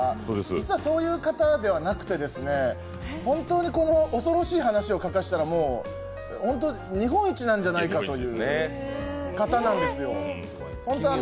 実はそういう方ではなくて、本当に恐ろしい話を書かせたら日本一じゃないかという方なんですよ。